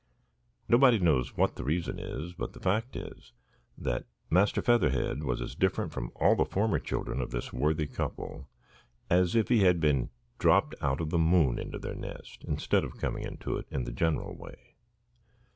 Nobody knows what the reason is, but the fact was, that Master Featherhead was as different from all the former children of this worthy couple as if he had been dropped out of the moon into their nest, instead of coming into it in the general way.